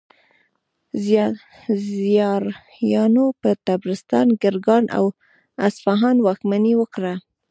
زیاریانو پر طبرستان، ګرګان او اصفهان واکمني وکړه.